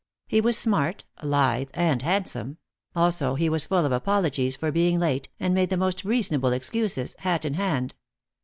He was smart, lithe and handsome; also he was full of apologies for being late, and made the most reasonable excuses, hat in hand.